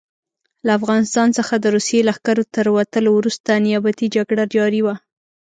له افغانستان څخه د روسي لښکرو تر وتلو وروسته نیابتي جګړه جاري وه.